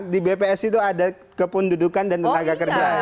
di bps itu ada kepundudukan dan tenaga kerja